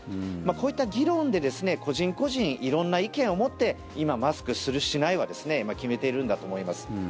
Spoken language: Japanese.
こういった議論で個人個人、色んな意見を持って今、マスクする、しないは決めているんだと思います。